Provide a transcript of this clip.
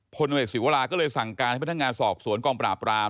พลตำรวจศิวราก็เลยสั่งการให้พนักงานสอบสวนกองปราบราม